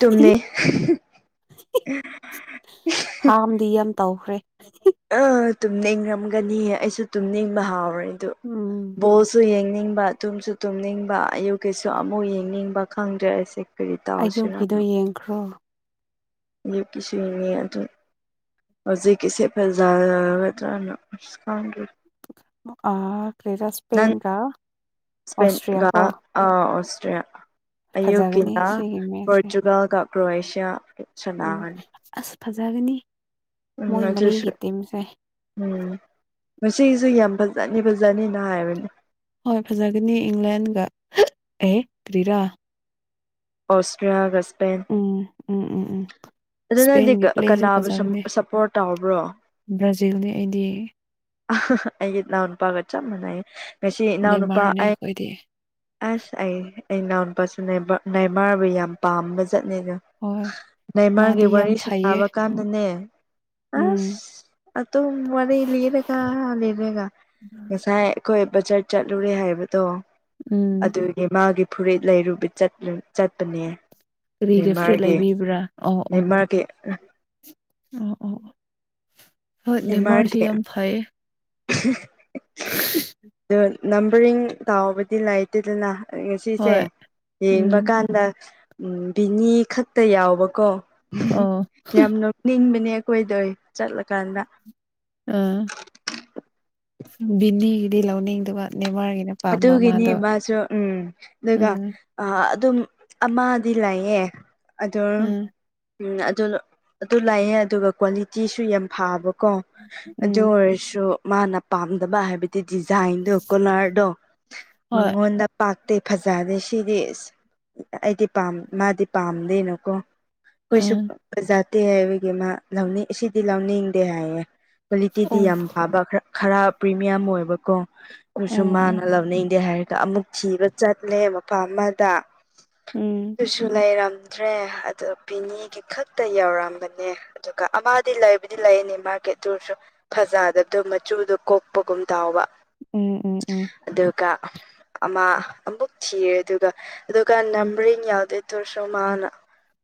ꯇꯨꯝꯅꯦ ꯍꯥꯥꯝꯗꯤ ꯌꯥꯝ ꯇꯧꯈ꯭ꯔꯦ ꯑꯥ ꯇꯨꯝꯅꯤꯡꯔꯝꯒꯅꯤ ꯑꯩꯁꯨ ꯇꯨꯝꯅꯤꯡꯕ ꯍꯥꯎꯔꯦ ꯗꯨ ꯎꯝ ꯕꫭꯜꯁꯨ ꯌꯦꯡ ꯇꯨꯝꯁꯨ ꯇꯨꯝꯅꯤꯡꯕ ꯑꯌꯨꯛꯀꯤꯩꯁꯨ ꯑꯃꯨꯛ ꯌꯦꯡꯅꯤꯡꯕ ꯈꯪꯗ꯭ꯔꯦ ꯀꯔꯤ ꯇꯧꯁꯤꯔ ꯑꯌꯨꯛꯀꯤꯗꯣ ꯌꯦꯡꯈ꯭ꯔꯣ ꯌꯀꯤꯁꯨꯅꯤ ꯑꯗꯨ ꯍꯧꯖꯤꯀꯤꯁ‌ꯦ ꯐꯖꯔꯒꯗꯔꯅꯥ ꯑ ꯅꯪ ꯑꯣꯁꯇ꯭ꯔꯤꯌꯥ ꯏꯁꯄ‌ꯦꯟꯒ ꯀꯣ ꯑ ꯑꯣꯁꯇ꯭ꯔꯌꯥ ꯐꯖꯒꯅꯤ ꯑꯌꯨꯀꯤꯅ ꯁꯤꯒꯤ ꯃꯦꯠꯁꯁꯦ ꯄꯣꯔꯆꯨꯒꯜꯒ ꯀ꯭ꯔꯣꯁꯤꯌꯥ ꯎꯝ ꯑꯁ ꯐꯖꯒꯅꯤ ꯎꯝ ꯃꯣꯏ ꯑꯗꯨꯁꯨ ꯃꯔꯤꯒꯤ ꯇꯤꯝꯁꯦ ꯎꯝ ꯉꯁꯖꯌꯥꯕ ꯐꯖ ꯐꯖꯠꯅꯤ ꯐꯖꯅꯤꯅ ꯍꯥꯏꯕꯅꯤ ꯍꯣꯏ ꯐꯖꯒꯅꯤ ꯏꯪꯂꯦꯟꯒ ꯊ‌ꯦ ꯑꯦ ꯀꯔꯤꯔ ꯑꯣꯁꯇ꯭ꯔꯌꯥꯒꯁ ꯎꯝ ꯎꯝ ꯎꯝ ꯎꯝ ꯑꯗꯨꯅꯗꯤ ꯁ꯭ꯄꯦꯟꯒꯤ ꯄ꯭ꯂꯦꯁꯨ ꯀꯅꯥꯕꯨ ꯁꯨꯝ ꯐꯖꯕꯅꯦ ꯁꯞꯄꯣꯔꯠ ꯇꯕ꯭ꯔꯣ ꯕ꯭ꯔꯥꯖꯤꯜꯅꯤ ꯑꯩꯗꯤ ꯑꯍꯥ-ꯍꯥ ꯑꯩꯒꯤ ꯏꯅ‌ꯎ ꯅꯨꯄꯗꯨꯒ ꯆꯞ ꯃꯅꯩꯌ‌ꯦ ꯉꯁꯤ ꯏꯅꯥꯎꯅꯨꯄꯥ ꯅꯦꯃꯥꯔꯅꯦ ꯑꯩ ꯑꯩꯈꯣꯏꯗꯤ ꯑꯁ ꯑꯩ ꯑꯩ ꯏꯅꯥꯎ ꯅꯨꯄꯥꯁꯨ ꯅꯥꯏꯃꯥꯔꯕꯨ ꯌꯥꯝ ꯄꯥꯝꯕ ꯆꯠꯅꯦꯗ ꯍꯣꯏ ꯅꯏꯃꯔ ꯃꯥꯗꯤ ꯌꯥꯝ ꯋꯥꯔꯤ ꯁꯥ ꯐꯩꯌꯦ ꯁꯥꯕ ꯀꯥꯟꯗꯅꯦ ꯎꯝ ꯑꯁ ꯑꯇꯝ ꯋꯥꯔꯤ ꯂꯔꯦꯒ ꯂꯔꯦꯒ ꯉꯁꯥꯏꯑꯈꫭꯏ ꯕꯖꯥꯔ ꯆꯠꯂꯨꯔꯦ ꯍꯥꯏꯕꯗꯣ ꯎꯝ ꯑꯗꯨꯒꯤ ꯃꯥꯒꯤ ꯐꯨꯔꯤꯠ ꯂꯩꯔꯨꯕ ꯆꯠ ꯆꯠꯄꯅꯦ ꯀꯔꯤꯒꯤ ꯐꯔꯤꯠ ꯂꯩꯕꯤꯕ꯭ꯔꯥ ꯑꯣ ꯑꯣ ꯀꯦ ꯑꯣ ꯑꯣ ꯍꯣꯏ ꯅꯤꯃꯔꯁꯤ ꯌꯥꯝ ꯐꯩꯌꯦ ꯑꯣ ꯅꯝꯕꯔꯤꯡ ꯇꯥꯎꯕꯗꯤ ꯂꯩꯇꯦꯗꯅ ꯉꯁꯤꯁꯦ ꯍꯣꯏ ꯌꯦꯡꯕ ꯎꯝ ꯀꯥꯟꯗ ꯎꯝ ꯕꯤꯅꯤ ꯈꯛꯇ ꯌꯥꯎꯕꯀꯣ ꯎꯍꯨꯝ-ꯍꯨꯝ ꯑꯣ ꯌꯥꯝ ꯅꯤꯡꯕꯅꯦ ꯑꯩꯈꯣꯏꯗꯣꯏ ꯆꯠꯂꯀꯥꯟꯗ ꯎꯝ ꯕꯤꯅꯤ ꯒꯤꯗꯤ ꯂꯧꯅꯤꯡꯗꯕ ꯅꯦꯃꯥꯔꯒꯤꯅ ꯄꯥꯝꯕ ꯑꯗꯨꯒꯤꯅꯦ ꯃꯥꯗꯣ ꯃꯥꯁꯨ ꯎꯝ ꯑꯗꯨꯒ ꯎꯝ ꯑ ꯑꯗꯨꯝ ꯑꯃꯗꯤ ꯂꯩꯥꯛꯌꯦ ꯑꯗꯨꯝ ꯎꯝ ꯎꯝ ꯑꯗꯨ ꯑꯗꯨ ꯂꯥꯛꯑꯦ ꯑꯗꯨꯒ ꯀ꯭ꯋꯥꯂꯤꯇꯤꯁꯨ ꯌꯥꯝ ꯐꯕ ꯀꯣ ꯑꯗꯨ ꯎꯝ ꯑꯣꯏꯔꯁꯨ ꯃꯥꯅ ꯄꯥꯝꯗꯕ ꯍꯥꯏꯕꯗꯤ ꯗꯤꯖꯥꯏꯟꯗꯣ ꯀꯣꯂꯔꯗꯣ ꯍꯣꯏ ꯃꯪꯉꯣꯟꯗ ꯄꯥꯠ ꯑꯇꯩ ꯐꯖꯗꯦ ꯁꯤꯗꯤ ꯑꯁ ꯑꯩꯗꯤ ꯃꯥꯗꯤ ꯄꯥꯝꯗꯦꯅꯀꯣ ꯎꯝ ꯑꯩꯈꯣꯏꯁꯨꯄꯖꯥꯗꯦ ꯍꯥꯏꯕꯒꯤ ꯃꯥ ꯂꯧꯅꯤꯡ ꯁꯤꯗꯤ ꯂꯧꯅꯤꯡꯗꯦ ꯍꯥꯏꯌꯦ ꯀ꯭ꯋꯥꯂꯤꯇꯤꯗꯤ ꯑꯣ ꯌꯥꯝ ꯐꯕ ꯈꯔ ꯄ꯭ꯔꯤꯃꯤꯌꯝ ꯑꯣꯏꯕꯀꯣ ꯑꯗꯨꯁꯨ ꯃꯥꯅ ꯎꯝ ꯏꯟꯗ‌ꯦ ꯍꯥꯏꯔ ꯑꯃꯨꯛ ꯊꯤꯕ ꯆꯠꯂꯦ ꯃꯐꯝ ꯑꯃꯗ ꯎꯝ ꯑꯗꯨꯁꯨ ꯂꯩꫪꯝ ꯗ꯭ꯔꯦ ꯑꯗꯨꯗꯣ ꯕꯤꯅꯤꯒꯤ ꯈꯛꯇ ꯌꯧꯔꯝꯕꯅꯦ ꯑꯗꯨꯒ ꯑꯃꯗꯤ ꯂꯩꯕꯨꯗꯤ ꯂꯩꯅꯤ ꯃꯥ ꯀꯦꯇꯁꯨ ꯐꯖꯗꯕꯗꯨꯣ ꯃꯆꯨꯗꯣ ꯀꯣꯛꯄꯒꯨꯝ ꯇꯥꯎꯕ ꯎꯝ ꯎꯝ ꯎꯝ ꯑꯗꯨꯒ ꯑꯃ ꯑꯃꯨꯛ ꯊꯤꯔꯦ ꯑꯗꯨꯒ ꯑꯗꯨꯒ ꯅꯝꯕꯔꯤꯡ ꯌꯥꯎꯗꯦ ꯇꯣꯔꯁꯨ ꯃꯥꯅ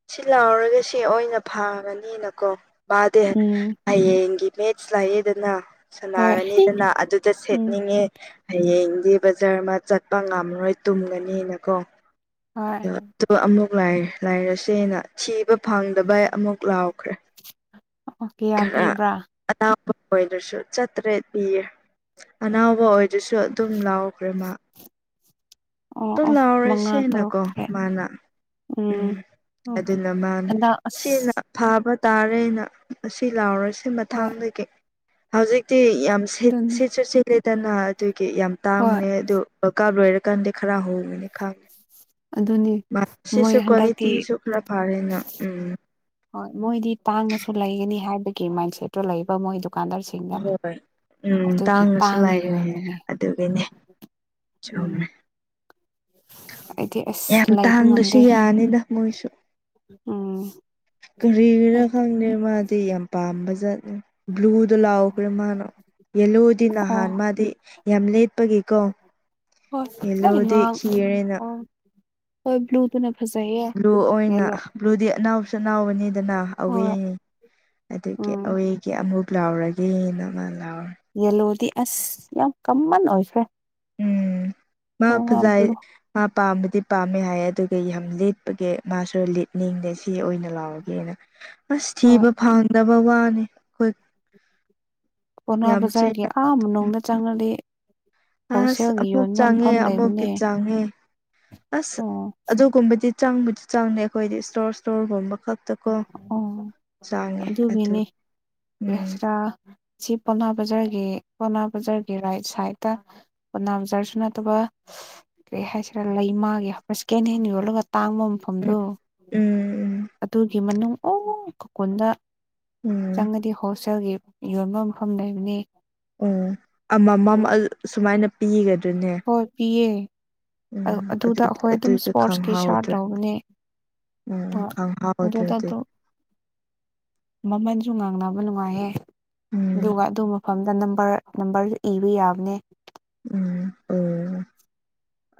ꯁꯤ ꯂꯥꯎꯔꯒ ꯁꯤ ꯑꯣꯏꯅ ꯐꯥꯒꯅꯤꯅꯀꯣ ꯄꯗꯦ ꯎꯝ ꯍꯌꯦꯡꯒꯤ ꯃꯦꯠꯁ ꯂꯥꯛꯑꯦꯗꯅ ꯍꯣꯏ ꯁꯅꯥꯔꯅꯤꯗꯅ ꯑꯗꯨꯗ ꯎꯝ ꯁꯦꯠꯅꯤꯡꯉꯦ ꯍꯌꯦꯡꯗꯤ ꯕꯖꯥꯔ ꯑꯃ ꯆꯠꯄ ꯉꯝꯃꯔꯣꯏ ꯇꯨꯝꯒꯅꯤꯅꯀꯣ ꯍꯣꯏ ꯑ ꯑ ꯑꯃꯨꯛ ꯂꯥꯛꯑꯦ ꯂꯥꯏꯔꯁꯦꯅ ꯊꯤꯕ ꯐꯪꯗꯕ ꯑꯃꯨꯛ ꯂꯥꯎꯈ꯭ꯔꯦ ꯑꯣꯀꯦ ꯄꯤꯕ꯭ꯔꯥ ꯑꯣꯏꯔ꯭ꯔꯁꯨ ꯆꯥ ꯇ꯭ꯔꯦꯠ ꯄꯤꯌꯦ ꯑꯅꯥꯕ ꯑꯣꯏꯔꯁꯨ ꯑꯗꯨꯝ ꯂꯥꯎꯈ꯭ꯔꯦ ꯃꯥ ꯑꯣ ꯇꯣ ꯑꯣ ꯃꯉꯥ ꯇꯔꯨꯛ ꯂꯥꯎꯔꯁꯦꯅꯀꯣ ꯇꯔꯦꯠ ꯃꯥꯅ ꯎꯝ ꯑꯗꯨꯅ ꯃꯥꯅ ꯍꯟꯗꯛ ꯑꯁ ꯁꯤꯅ ꯐꯥꯕ ꯇꯥꯔꯦꯅ ꯑꯁꯤ ꯂꯥꯎꯔꯁꯤꯦ ꯍꯣꯏ ꯃꯊꯥꯡꯗꯒꯤ ꯍꯧꯖꯤꯛ ꯁꯤ ꯌꯥꯝꯠ ꯑꯗꯨꯅꯤ ꯁꯤꯦꯠꯁꯨ ꯁꯤꯦꯠꯂꯦꯗꯅ ꯑꯗꯨꯒꯤ ꯌꯥꯝ ꯍꯣꯏ ꯇꯥꯡꯕꯅꯦ ꯑꯗꯨ ꯗꯀꯥꯞ ꯂꯣꯏꯔꯀꯥꯟꯗ ꯈꯔꯥ ꯍ ꯃ ꯈꯥ ꯑꯗꯨꯅꯤ ꯃꯣꯏ ꯍꯟꯗꯛꯇꯤ ꯈꯔ ꯐꯔꯦꯅ ꯎꯝ ꯍꯣꯏ ꯃꯣꯏꯗꯤ ꯇꯥꯡꯉꯁꯨ ꯂꯩꯒꯅꯤ ꯍꯥꯏꯕꯒꯤ ꯃꯥꯏꯟꯁꯦꯠꯇꯨ ꯂꯩꯕ ꯃꯣꯏꯗꯨ ꯑꯣꯏ ꯎꯝ ꯇꯥꯡꯉꯁꯨ ꯇꯥꯡꯅ ꯂꯥꯏꯒꯅꯤ ꯌꯣꯟꯕꯅꯦ ꯑꯗꯨꯒꯤꯅꯦ ꯁꯨꯝꯃꯦ ꯍꯥꯏꯗꯤ ꯑꯁ ꯂꯩꯕ ꯇꯥꯡꯗꯁꯨ ꯉꯝꯗꯦ ꯌꯥꯅꯤꯗ ꯎꯝ ꯀꯔꯤꯒꯤꯔ ꯈꯪꯗꯦ ꯃꯥꯗꯤ ꯌꯥꯝ ꯄꯥꯝꯕ ꯆꯖꯠꯅꯤ ꯕ꯭ꯂꯨ ꯂ ꯃꯥꯅꯣ ꯌꯦꯂꯎꯗꯤ ꯅ ꯑꯣ ꯍꯥꯟꯃꯗꯤꯂ ꯆꯠꯄꯒꯤꯦꯀꯣ ꯍꯣꯏ ꯂꯣꯏ ꯌꯦꯂꯣꯗꯤ ꯉꯥꯡ ꯈꯤꯔꯔꯦꯅ ꯑꯣ ꯍꯣꯏ ꯕ꯭ꯂꯨ ꯇꯨ ꯕ꯭ꯂꯨ ꯑꯣꯏꯅ ꯕ꯭ꯂꯨꯗꯤ ꯑꯅꯥꯎꯁꯨ ꯑꯅꯥꯎꯕꯅꯤꯗꯅ ꯍꯣꯏ ꯑꯋꯤꯅꯤ ꯑꯗꯨꯒꯤ ꯎꯝ ꯑꯩꯋꯦꯒꯤ ꯑꯃꯨꯛ ꯂꯥꯎꯔꯒꯦꯅ ꯑꯃ ꯂꯥꯎꯔ ꯌꯦꯂꯣꯗꯤ ꯑꯁ ꯌꯥꯝ ꯀꯃꯟ ꯑꯣꯏꯈ꯭ꯔꯦ ꯃꯥꯄꯖ ꯕ꯭ꯂꯨ ꯃꯥ ꯄꯥꯝꯕꯗꯤ ꯄꯥꯝꯃꯦ ꯍꯥꯏ ꯑꯗꯨꯒ ꯌꯥꯝ ꯂꯤꯠꯄꯒꯤ ꯃꯥꯁꯨ ꯂꯤꯠꯅꯤꯡꯗꯦ ꯁꯤ ꯑꯣꯏꯅ ꯂꯥꯎꯑꯣꯒꯦꯅ ꯑꯁ ꯍꯣꯏ ꯊꯤꯕ ꯐꯪꯗꯕ ꯋꯥꯅꯤ ꯑꯩꯈꯣꯏ ꯀꯅꯥ ꯌꯥꯝ ꯆꯦꯟ ꯕꯖꯥꯔꯒꯤ ꯑꯥ ꯅꯨꯡꯗ ꯆꯪꯉꯗꯤ ꯑꯁ ꯍꯣꯁꯦꯜꯒꯤ ꯑꯃꯨꯛ ꯌꯣꯟꯕ ꯆꯪꯉꯦ ꯃꯐꯝ ꯑꯃꯨꯛꯀꯤ ꯂꯩꯕꯅꯦ ꯆꯪꯉꯦ ꯑꯁ ꯑꯣ ꯑꯗꯨꯒꯨꯝꯕꯗꯤ ꯆꯪꯕꯨꯗꯤ ꯆꯪꯗ ꯑꯩꯈꯣꯏꯗꯤ ꯏꯁꯇꯣꯔ ꯏꯁꯇꯣꯔꯒꯨꯝꯕ ꯈꯛꯇꯀꯣ ꯑꯣ ꯆꯪꯉꯦ ꯑꯗꯨ ꯑꯗꯨꯒꯤꯅꯤ ꯎꯝ ꯌꯥꯁꯤꯔꯥ ꯁꯤ ꯄꯣꯅꯥ ꯕꯖꯥꯔꯒꯤ ꯄꯣꯅꯥ ꯕꯖꯥꯔꯒꯤ ꯔꯥꯏꯠ ꯁꯥꯏꯗꯠꯇ ꯄꯣꯅꯥ ꯕꯖꯥꯔꯁꯨ ꯅꯠꯇꯕ ꯀꯦ ꯍꯥꯏꯁꯤꯔ ꯂꯩ ꯏ ꯃꯥꯒꯤꯦ ꯍꯥꯞꯁ ꯀꯦꯅꯅꯤꯣꯜꯒ ꯇꯥꯡꯕ ꯃꯐꯝꯗꯣ ꯎꯝ ꯎꯝ ꯑꯗꯨꯒꯤ ꯃꯅꯨꯡ ꯑꯣ ꯀꯀꯨꯟꯗ ꯎꯝ ꯆꯪꯉꯗꯤ ꯍꯣꯁꯇꯦꯜꯒꯤ ꯌꯣꯟꯕ ꯃꯐꯝ ꯂꯩꯕꯅꯤ ꯑꯣ ꯑꯗꯨ ꯑꯃꯃꯝ ꯁꯨꯃꯥꯏꯅ ꯄꯤꯒꯅꯤ ꯍꯣꯏ ꯄꯤꯌꯦ ꯎꯝ ꯑꯗꯨ ꯑꯗꯨꯗ ꯑꯩꯈꯣꯏ ꯑꯗꯨꯝ ꯑꯗꯨꯗ ꯏꯁꯄꯣꯔꯠꯁꯀꯤ ꯁꯥꯔꯠ ꯈꯪꯍꯥꯎꯗ꯭ꯔꯦ ꯂꯧꯕꯅꯦ ꯑ ꯎꯝ ꯈꯪꯍꯥꯎꯗ꯭ꯔꯦ ꯑꯗꯨꯗ ꯑꯗꯨ ꯃꯃꯟꯁꯨ ꯉꯥꯡꯅꯕ ꯅꯨꯡꯉꯥꯏꯍꯦ ꯎꯝ ꯑꯗꯨꯒ ꯑꯗꯨ ꯃꯐꯝꯗ ꯅꯝꯕꯔꯁꯨ ꯏꯕ ꯌꯥꯕꯅꯦ ꯎꯝ ꯑꯣ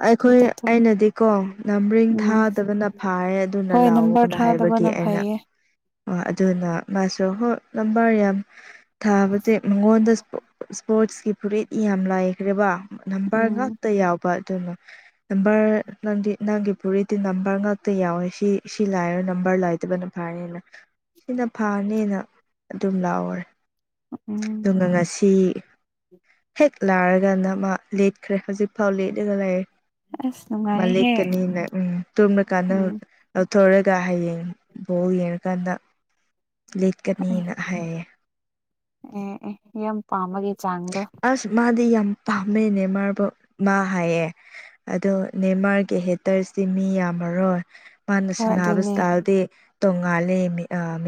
ꯑꯩꯈꯣꯏ ꯑꯗꯨꯗ ꯑꯩꯅꯗꯤ ꯀꯣ ꯂꯝꯔꯤꯡ ꯎꯝ ꯊꯥꯗꯕꯅ ꯐꯔ ꯑꯗꯨꯅ ꯂꯥꯛꯑꯣꯅ ꯍꯥꯏꯕꯒꯤ ꯅ ꯑꯩꯅ ꯐꯥꯏꯌꯦ ꯑꯗꯨꯅ ꯃꯥꯁꯨ ꯍꯣꯏ ꯂꯝꯕꯥꯔ ꯌꯥꯝ ꯊꯥꯕ ꯏꯁꯇ ꯃꯉꯣꯟꯗ ꯏꯁꯄꯣꯔꯠꯁꯀꯤ ꯐꯨꯔꯤꯠ ꯌꯥꯝ ꯂꯥꯏꯈ꯭ꯔꯦꯕ ꯅꯝꯕꯔ ꯎꯝ ꯉꯥꯛꯇ ꯌꯥꯎꯕ ꯑꯗꯨꯅ ꯅꯝꯕꯔ ꯅꯪꯗꯤ ꯅꯪꯒꯤ ꯄꯨꯔꯤꯗꯤ ꯅꯝꯕꯔ ꯉꯥꯛꯇ ꯌꯥꯎꯋꯦ ꯁꯤ ꯁꯤ ꯂꯥꯛꯔꯣ ꯅꯝꯕꯔ ꯔ ꯂꯥꯏꯇꯕꯅ ꯐꯔꯅ ꯁꯤꯅ ꯐꯥꯅꯦꯅ ꯑꯗꯨꯝ ꯂꯥꯎꯑꯣꯔꯦ ꯎꯝ ꯑꯗꯨꯒ ꯉꯁꯤ ꯍꯦꯛ ꯂꯥꯔꯒ ꯅꯃ ꯂꯦꯠꯈ꯭ꯔꯦ ꯍꯧꯖꯤꯛꯐꯥꯎ ꯂꯦꯠꯂꯒ ꯂꯩꯔꯦ ꯑꯁ ꯃꯥ ꯅꯨꯡꯉꯥꯏꯍꯦ ꯂꯦꯛꯀꯅꯤꯅ ꯎꯝ ꯇꯨꯝꯅꯀꯥꯟꯗ ꯎꯝ ꯊꯧꯔꯒ ꯍꯌꯦꯡ ꯕꯥꯎ ꯌꯦꯡꯉꯀꯥꯟꯗ ꯑꯦ ꯂꯤꯠꯀꯅꯦꯅ ꯍꯥꯏꯌꯦ ꯑꯦ ꯑꯦ ꯌꯥꯝ ꯄꯥꯃꯒꯦ ꯆꯥꯡꯗꯣ ꯑꯁ ꯃꯥꯗꯤ ꯌꯥꯝ ꯄꯥꯝꯃꯦ ꯅꯦꯃꯥꯔꯕꯨ ꯃꯥ ꯍꯥꯏꯌꯦ ꯑꯗꯣ ꯅꯦꯃꯥꯔꯒꯤ ꯍꯦꯇꯔꯁꯤ ꯃꯤ ꯌꯥꯝꯃꯔꯣꯏ ꯃꯥꯅ ꯍꯣꯏ ꯁꯟꯅꯕ ꯑꯗꯨꯅꯦ ꯏꯁꯇꯥꯏꯜꯗꯤ ꯇꯣꯡꯉꯥꯜꯂꯤ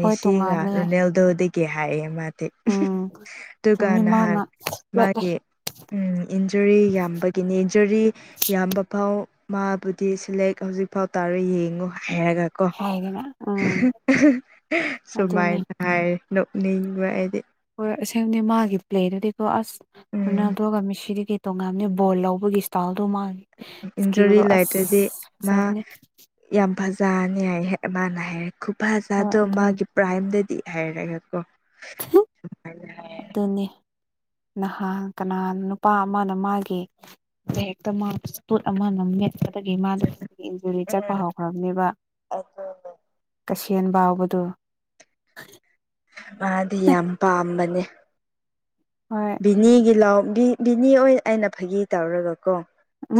ꯍꯣꯏ ꯇꯣꯡꯉꯥꯜꯂꯦ ꯔꯣꯅꯦꯜꯗꯣꯗꯒꯤ ꯍꯥꯏꯑꯦ ꯃꯥꯗꯤ ꯎꯝ ꯑꯗꯨꯒ ꯆꯨꯝꯃꯤ ꯅꯍꯥꯟ ꯃꯥꯅ ꯃꯥꯒꯤ ꯎ ꯏꯟꯖꯔꯤ ꯌꯥꯝꯕꯒꯤꯅꯤ ꯏꯟꯖꯔꯤ ꯌꯥꯝꯕ ꯐꯥꯎ ꯃꯥꯕꯨꯗꯤ ꯁꯂꯦꯛ ꯍꯧꯖꯤꯛ ꯐꯥꯎ ꯇꯥꯔꯦ ꯌꯦꯡꯉꯨ ꯍꯥꯏꯔꯒ ꯀꯣ ꯍꯥꯏꯗꯅ ꯎꯝ ꯑꯗꯨꯅꯦ ꯁꯨꯃꯥꯏꯅ ꯍꯥꯏ ꯅꯣꯛꯅ ꯋꯥꯑꯗꯤ ꯑꯁꯦꯡꯅꯤ ꯃꯥꯒꯤ ꯄ꯭ꯂꯦꯗꯨꯗꯤꯀꯣ ꯑꯁ ꯎꯝ ꯔꯣꯅꯥꯜꯗꯣꯒ ꯃꯤꯁꯤ ꯇꯣꯉꯥꯟꯝꯅꯤ ꯕꯣꯜ ꯂꯧꯕꯒꯤ ꯏꯁ꯭ꯇꯥꯥꯎꯜ ꯑꯗꯨ ꯃꯥꯥꯡ ꯏꯟꯖꯨꯔꯤ ꯁꯀꯤꯦꯗꯣ ꯂꯩꯇ꯭ꯔꯗꯤ ꯑꯁꯅꯦ ꯆꯥꯅꯤ ꯍꯥꯏ ꯃꯥꯅ ꯍꯥꯏꯔꯦ ꯍꯣꯏ ꯈꯨꯐꯖꯥꯗꯣ ꯑꯗꯨꯅꯤ ꯃꯥꯒꯤ ꯄ꯭ꯔꯥꯏꯝꯗ ꯤ ꯍꯥꯏꯔꯒꯦꯀꯣ ꯑꯗꯨꯅꯤ ꯅꯍꯥꯟ ꯀꯅꯥ ꯅꯨꯄꯥ ꯑꯃꯅ ꯃꯥꯒꯤ ꯂꯔꯤꯛꯇ ꯃꯥꯄꯣꯠ ꯑꯃꯅꯠ ꯑ ꯃꯥ ꯏꯟꯖꯨꯔꯤ ꯆꯠꯄ ꯎꯝ ꯍꯧꯈ꯭ꯔꯕꯅꯦꯕ ꯑꯗꯨꯅꯦ ꯍꯦꯟꯕꯥꯎꯕꯗꯨꯣ ꯃꯥꯗꯤ ꯌꯥꯝ ꯄꯥꯝꯕꯅꯦ ꯍꯣꯏ ꯕꯤꯅꯤꯒꯤ ꯂꯥꯎ ꯕꯤꯅꯤ ꯑꯩꯅ ꯐꯥꯒꯤ ꯇꯧꯔꯒ ꯣ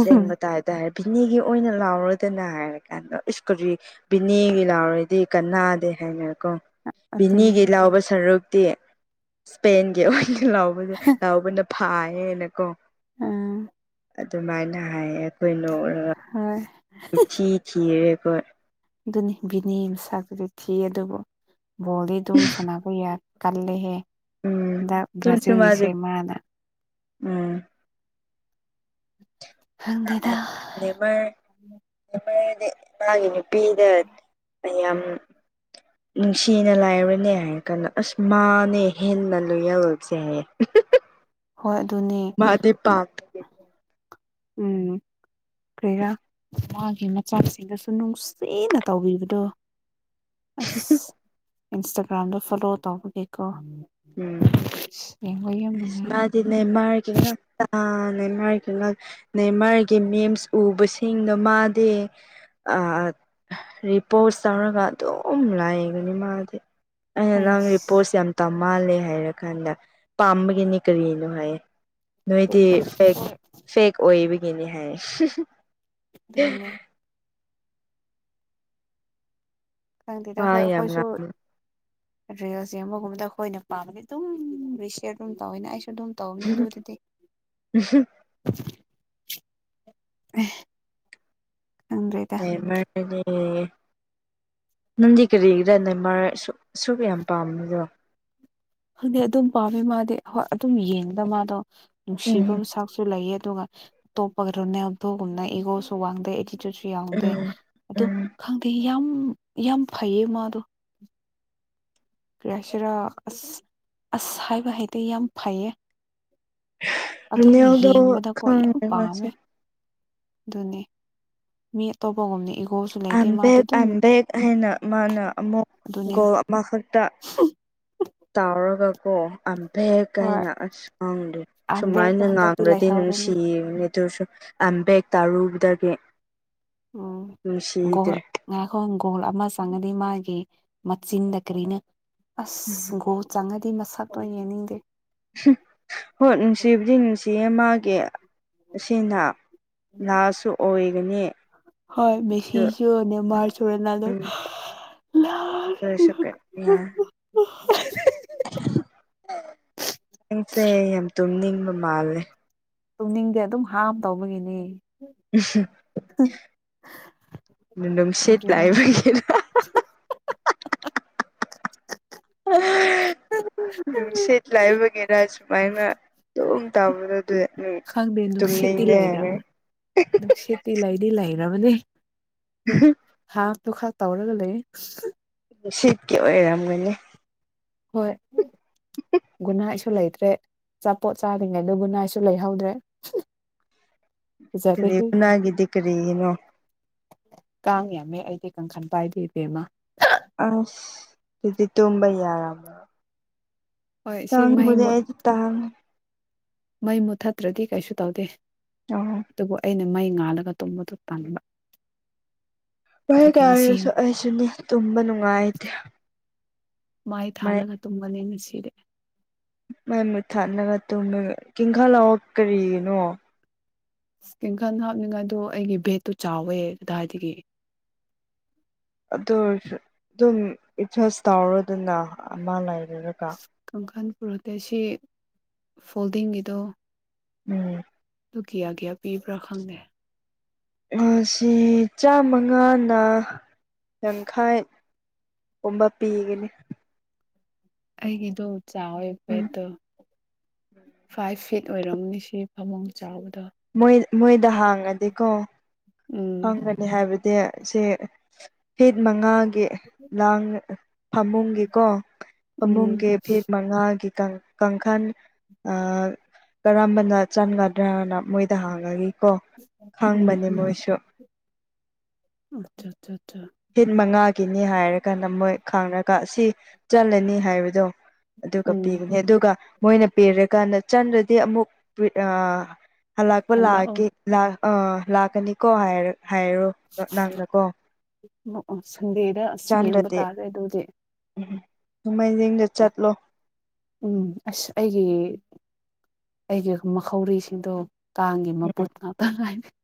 ꯁꯦ ꯇꯥꯏꯗ ꯍꯥꯏꯦ ꯕꯤꯅꯦꯒꯤ ꯑꯣꯏꯅ ꯂꯥꯎꯔꯗꯅ ꯍꯥꯏꯔ ꯀꯥꯟꯗ ꯏꯁꯀꯨꯔꯤ ꯕꯤꯅꯦꯒꯤ ꯂꯥꯎꯔꯗꯤ ꯀꯅꯥꯗꯦ ꯍꯥꯏꯅ ꯑꯗꯨꯅꯤ ꯚꯕꯤꯅꯤꯒꯤ ꯂꯥꯎꯕ ꯁꯔꯨꯛꯇꯤ ꯏꯁꯄꯦꯟꯒꯤ ꯑꯣꯏꯅ ꯂꯥꯎ ꯂꯕꯅ ꯐꯥꯏꯌꯦꯦꯅꯀꯣ ꯑꯥ ꯑꯗꯨꯃꯥꯏꯅ ꯍꯥꯏꯌꯦ ꯑꯩꯈꯣꯏ ꯍꯣꯏ ꯅꯣꯛꯔꯒꯊꯤ ꯊꯤꯔꯦꯀꯣ ꯑꯗꯨꯅꯤ ꯕꯤꯅꯤ ꯃꯁꯛꯇꯨꯗꯤ ꯊꯤ ꯑꯗꯨꯕꯨ ꯕꯣꯜꯗꯤ ꯑꯗꯨꯝ ꯁꯥꯟꯅꯕ ꯌꯥꯔꯦ ꯀꯂꯍꯦ ꯏ ꯎꯝ ꯇꯨꯁꯨ ꯃꯥꯗꯤ ꯭ꯔꯖꯤꯤꯜꯒꯤꯁꯤꯦ ꯃꯥꯅ ꯎꯝ ꯈꯪꯗꯦꯗ ꯂꯦꯕꯔ ꯃꯥꯒꯤ ꯅꯨꯄꯤꯗꯌꯥꯝ ꯅꯨꯡꯁꯤꯅ ꯂꯥꯏꯔꯨꯅꯦ ꯍꯥꯏꯔ ꯀꯥꯟꯗ ꯑꯁ ꯃꯥꯅꯦ ꯍꯦꯟꯅ ꯂꯣꯏꯌꯦꯜꯂꯁꯦ ꯍꯣꯏ ꯑꯗꯨꯅꯦ ꯄꯥꯝꯕꯒꯤ ꯎꯝ ꯀ꯭ꯔꯦꯔꯥ ꯃꯥꯒꯤ ꯃꯆꯥꯁꯤꯡꯗꯁꯨ ꯅꯨꯡꯁꯤꯅ ꯇꯧꯕꯤꯕꯗꯣ ꯑꯁ ꯏꯟꯁꯇꯥꯒ꯭ꯔꯥꯝꯗ ꯐꯣꯂꯣ ꯇꯧꯕꯒꯦꯀꯣ ꯅꯨꯡꯉꯥꯏ ꯎꯝꯁꯃꯗꯤꯅ ꯃꯥꯔꯒ ꯇ ꯅꯃꯥꯏꯒꯤ ꯅꯃꯔꯒꯤ ꯃꯦꯝꯁ ꯎꯕꯁꯤꯡꯗꯣ ꯃꯥꯗꯦ ꯔꯤꯄꯣꯁ ꯇꯧꯔꯒ ꯑꯗꯨꯝ ꯂꯥꯛꯕꯅꯤ ꯃꯥꯗꯤ ꯑ ꯅꯪ ꯏ ꯑꯁ ꯄꯣꯁꯦꯝ ꯇꯃ ꯃꯥꯜꯂꯦ ꯍꯥꯏꯔ ꯀꯥꯟꯗ ꯄꯥꯝꯕꯒꯤꯅꯤ ꯀꯔꯤꯅꯣ ꯍꯥꯏꯌꯦ ꯅꯣꯏꯗꯤ ꯐꯦꯛ ꯐꯦꯛ ꯑꯣꯏꯕꯒꯤꯅꯤ ꯍꯥꯏ ꯑꯗꯨ ꯃꯅꯅꯦ ꯈꯪꯗꯦꯗ ꯋꯥ ꯑꯩꯈꯣꯏ ꯌꯥꯝ ꯑꯩꯈꯣꯏꯁꯨ ꯉꯥꯡ ꯔꯦꯜꯁ ꯑꯃꯒꯨꯝꯕꯗ ꯑꯩꯈꯣꯏꯅ ꯄꯥꯝꯕꯗꯤ ꯑꯗꯨꯝ ꯔꯤꯁ ꯑꯗꯨꯝ ꯇꯧꯋꯦꯅ ꯑꯩ ꯑꯗꯨꯝ ꯇꯧꯅꯤ ꯑꯗꯨ ꯑꯗꯨꯗꯤ ꯑ ꯦ ꯃꯥꯗꯤ ꯅꯪꯗꯤ ꯀꯔꯤꯒꯤꯗ ꯅ ꯑꯨꯛ ꯌꯥꯝ ꯄꯥꯝꯃꯤꯗꯣ ꯈꯪꯗꯤ ꯑꯗꯨꯝ ꯄꯥꯝꯃꯦ ꯃꯥꯗꯤ ꯍꯣꯏ ꯑꯗꯨꯝ ꯌꯦꯡꯗ ꯃꯥꯗꯣ ꯅꯨꯡꯁꯤꯕ ꯎꯝ ꯃꯆꯥꯛꯁꯨ ꯂꯩꯌꯦ ꯑꯗꯨꯒ ꯇꯣꯄꯒꯔꯅꯦꯦꯅ ꯏꯒꯣ ꯁꯨ ꯋꯥꯗ ꯁꯨ ꯌꯥꯎꯗꯦ ꯎꯝ ꯑꯣ ꯎꯝ ꯈꯪꯗꯦ ꯌꯥꯝ ꯌꯥꯝ ꯐꯩꯌꯦ ꯃꯥꯗꯣ ꯀ꯭ꯔꯦꯁꯤꯔꯥ ꯑꯁ ꯑꯁ ꯍꯥꯏꯕ ꯍꯥꯏꯗꯤ ꯌꯥꯝ ꯐꯩꯌꯦ ꯑꯗꯨꯝ ꯅꯦꯜꯗ ꯌꯦꯡꯕꯗꯀꯣ ꯈ ꯌꯥꯝ ꯄꯥꯝꯃꯦ ꯃꯥꯁꯦ ꯑꯗꯨꯅꯦ ꯃꯤ ꯑꯇꯣꯞꯄꯒꯨꯝꯅꯤ I am back I am back ꯍꯥꯏꯅ ꯃꯅ ꯑꯃꯨꯛ ꯑꯗꯨꯅꯦ ꯒꯣꯜ ꯑꯃ ꯈꯥꯛ ꯇ ꯇꯥꯎꯔꯒꯀꯣ ꯐꯦ ꯍꯣꯏ ꯀꯥꯏꯅ ꯑꯁ ꯉꯥꯡꯗꯦ ꯑꯝꯕꯦꯛꯇꯣ ꯁꯨꯃꯥꯏꯅ ꯍꯟꯗꯛꯇꯤ ꯉꯥꯡꯂ꯭ꯔꯗꯤ ꯂꯩꯍꯧꯔꯅꯤ ꯅꯨꯡꯁꯤꯌꯦ ꯑꯗꯨꯁꯨ ꯑꯝꯕꯦꯛ ꯇꯥꯔꯨꯕꯗꯒꯤ ꯎꯝ ꯒꯣꯜ ꯅꯨꯡꯁꯤꯗ꯭ꯔꯦ ꯉꯥꯏꯈꯣ ꯒꯣꯜ ꯑꯃ ꯆꯪꯉꯗꯤ ꯃꯥꯒꯤ ꯃꯆꯤꯟꯗ ꯀꯔꯤꯅ ꯑꯁ ꯒꯣ ꯆꯪꯉꯗꯤ ꯃꯁꯥꯠꯇꯣ ꯌꯦꯡꯅꯤꯡꯗꯦ ꯍꯣꯏ ꯅꯨꯡꯁꯤꯕꯗꯤ ꯅꯨꯡꯁꯤ ꯃꯥꯒꯤ ꯑꯁꯤꯅ ꯂꯥꯁ꯭ꯠꯁꯨ ꯑꯣꯏꯒꯅꯤ ꯍꯣꯏ ꯑꯗꯨ ꯃꯦꯁꯤꯁꯨ ꯅꯦꯃꯥꯔꯁꯨ ꯔꯣꯅꯥꯜꯗꯣꯁꯨ ꯎꯝ [unintelligible] ꯅꯪꯁꯦ ꯌꯥꯝ ꯇꯨꯝꯅꯤꯡꯕ ꯃꯥꯜꯂꯦ ꯇꯨꯝꯅꯤꯡꯗꯦ ꯑꯗꯨꯝ ꯍꯥꯝ ꯇꯧꯕꯒꯤꯅꯦ ꯅꯨꯝ ꯁꯤꯠ ꯈꯪꯗꯦꯗ ꯂꯥꯏꯕ ꯍꯤꯔꯥ [unintelligible] ꯅꯨꯡꯁꯤꯠ ꯂꯥꯏꯕꯒꯤꯔ ꯁꯨꯃꯥꯏꯅ ꯑꯗꯨꯝ ꯇꯥꯕꯗꯣ ꯑꯗꯨꯗꯤ ꯈꯪꯗꯦ ꯅꯨꯡꯁꯤꯠꯇꯤ ꯂꯩꯔꯝꯅꯦ ꯅꯨꯪꯁꯤꯠꯇꯤ ꯗꯤ ꯂꯩꯔꯕꯅꯤ ꯑꯗꯨ ꯍꯥꯇꯣ ꯈꯔ ꯇꯧꯔꯒ ꯂꯩ ꯁꯤꯠꯀꯤ ꯑꯣꯏꯔꯝꯒꯅꯤ ꯍꯣꯏ ꯒꯨꯗꯅꯥꯏꯠ ꯨ ꯂꯩꯇ꯭ꯔꯦ ꯑꯆꯥꯄꯣꯠ ꯆꯥꯗ꯭ꯔꯤꯉꯩꯗ ꯒꯨꯗꯅꯥꯏꯠꯁꯨ ꯂꯩꯍꯧꯗ꯭ꯔꯦ ꯀꯔꯤ ꯐꯖꯔꯦꯍꯦ ꯍꯅꯗꯦ ꯀꯔꯤꯅꯣ ꯀꯥꯡ ꯌꯥꯝꯃꯦ ꯑꯩꯗꯤ ꯀꯥꯡꯈꯟ ꯄꯥꯏꯗꯦ ꯏꯕꯦꯝꯃ ꯑꯁ ꯑꯗꯨꯗꯤ ꯇꯣꯝꯕ ꯌꯥꯔꯝꯃꯔꯣꯏ ꯍꯣꯏ ꯁꯤ ꯇꯥꯡ ꯃꯩ ꯕꯨꯗꯤ ꯃꯨꯠ ꯑꯩꯗꯤ ꯇꯥꯡ ꯃꯩ ꯃꯨꯠꯊꯠꯇ꯭ꯔꯗꯤ ꯀꯩꯁꯨ ꯇꯧꯗꯦ ꯑꯣ ꯑꯗꯨꯕꯨ ꯑꯩꯅ ꯃꯩ ꯉꯥꯜꯂꯒ ꯇꯨꯝꯕꯗꯨ ꯇꯟꯕ [unintelligible] ꯑꯗꯨꯒꯤ ꯉꯁꯤ ꯀꯥꯏꯔꯁꯨ ꯑꯩꯁꯨꯅꯤ ꯇꯨꯝꯕ ꯅꯨꯡꯉꯥꯏꯇꯦ ꯃꯩ ꯊꯥꯜꯂꯒ ꯇꯨꯝꯒꯅꯤ ꯉꯁꯤꯗꯤ ꯃꯩ ꯃꯨꯠꯊꯠꯂꯒ ꯇꯨꯝꯔꯒ [unintelligible] ꯀꯔꯤꯒꯤꯅꯣ ꯀꯥꯡꯈꯟ ꯍꯥꯞꯅꯤꯡꯉꯥꯏꯗꯣ ꯑꯩꯒꯤ ꯕꯦꯗꯇꯣ ꯆꯥꯎꯋꯦ ꯀꯗꯥꯏꯗꯒꯤ ꯑꯗꯨ ꯑꯣꯏꯔꯁꯨ ꯑꯗꯨꯝ ꯑꯦꯠꯖꯁ ꯇꯧꯔꯗꯅ ꯑꯃ ꯂꯩꯔꯔꯒ ꯄ꯭ꯔꯣꯇꯦꯁꯤ ꯐꯣꯜꯗꯤꯡꯒꯤꯗꯣ [unintelligible] ꯑꯗꯨ ꯀꯤꯌꯥ ꯀꯌꯥ ꯄꯤꯕ꯭ꯔꯥ ꯈꯪꯗꯦ ꯑꯁꯤ ꯆꯥꯃꯉꯥꯅ ꯌꯥꯡꯈꯩ ꯀꯨꯝꯕ ꯄꯤꯒꯅꯤ ꯑꯩꯒꯤꯗꯣ ꯆꯥꯎꯋꯦ ꯎꯝ ꯕꯦꯠꯇꯣ ꯐꯥꯏꯚ ꯐꯤꯠ ꯑꯣꯏꯔꯝꯅꯤ ꯁꯤ ꯐꯃꯨꯡ ꯆꯥꯎꯕꯗ ꯃꯣꯏ ꯃꯣꯏꯗ ꯍꯥꯡꯉꯗꯤꯀꯣ ꯎꯝ ꯍꯪꯒꯅꯤ ꯍꯥꯏꯕꯗꯤ ꯁꯦ ꯍꯤꯠ ꯃꯉꯥꯒꯤ ꯂꯥꯡ ꯐꯃꯨꯡꯒꯤꯀꯣ ꯎꯝ ꯐꯃꯨꯡꯒꯤ ꯐꯤꯠ ꯃꯉꯥꯒꯤꯇꯪ ꯀꯥꯡꯈꯜ ꯀꯔꯝꯕꯅ ꯆꯥꯟꯒꯥ ꯗ꯭ꯔꯅ ꯃꯣꯏꯗ ꯍꯥꯡꯉꯒꯤꯀꯣ ꯎꯝ ꯈꯪꯕꯅꯦ ꯎꯝ ꯃꯣꯏꯁꯨ ꯑꯆꯥ ꯑꯆꯥ ꯐꯤꯠ ꯃꯉꯥꯒꯤꯅꯤ ꯍꯥꯏꯔꯒ ꯅꯃꯣꯏ ꯈꯥꯡꯔꯒ ꯑꯁꯤ ꯆꯠꯂꯅꯤ ꯍꯥꯏꯕꯗꯣ ꯑꯗꯨꯒ ꯎꯝ ꯄꯤꯒꯅꯤ ꯑꯗꯨꯒ ꯃꯣꯏꯅ ꯄꯤꯔꯀꯥꯟꯗ ꯆꯟ꯭ꯔꯗꯤ ꯑꯃꯨꯛ ꯍꯂꯥꯛꯄ ꯍꯜꯂꯛꯑꯣ ꯂꯥꯛꯀꯦ ꯑꯥ ꯂꯥꯛꯀꯅꯤꯀꯣ ꯍꯥꯏꯔ ꯍꯥꯏꯔꯣ ꯅꯣ ꯅꯪꯅꯀꯣ ꯑꯣ ꯑꯣ ꯁꯟꯗꯦꯗ ꯑꯁ ꯌꯦꯡꯕ ꯆꯥꯟꯗ꯭ꯔꯗꯤ ꯇꯥꯔꯦ ꯑꯗꯨꯗꯤ ꯎꯝ ꯅꯣꯡꯃꯥꯏꯖꯤꯡꯗ ꯆꯠꯂꯣ ꯎꯝ ꯑꯁ ꯑꯩꯒꯤ ꯑꯩꯒꯤ ꯃꯈꯧꯔꯤꯁꯤꯡꯗꯣ ꯀꯥꯡꯒꯤ ꯎꯝ ꯃꯄꯨꯠ ꯉꯥꯛꯇ ꯉꯅ [inaudible]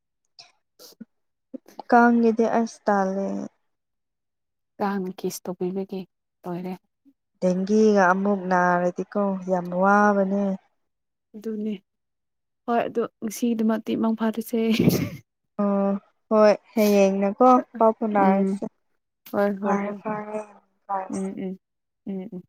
ꯀꯥꯡꯒꯤꯗꯤ ꯑꯁꯇꯥꯂꯦ ꯀꯥꯡꯅ ꯀꯦꯁ ꯇꯧꯕꯤꯕꯒꯤ ꯂꯣꯏꯔꯦ ꯦꯡꯒꯤꯒ ꯑꯃꯨꯛ ꯅꯥꯔꯗꯤꯀꯣ ꯌꯥꯝ ꯋꯥꯕꯅꯦ ꯑꯗꯨꯅꯦ ꯍꯣꯏ ꯑꯗꯨ ꯉꯁꯤꯒꯤꯗꯃꯛꯇꯤ ꯏ ꯃꯨꯡ ꯐꯥꯗꯁꯦ ꯑꯩ ꯑꯣ ꯍꯣꯏ ꯍꯌꯦꯡꯅꯦꯀꯣ ꯄꯥꯎ ꯎꯝ ꯐꯅꯔꯁꯦ ꯍꯣꯏ ꯍꯣꯏ ꯐꯔꯦ ꯍꯣꯏ ꯐꯔꯦ ꯀꯦ ꯎꯝ ꯎꯝ ꯎꯝ ꯎꯝ